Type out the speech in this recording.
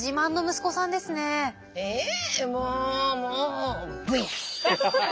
ええもうもうＶ！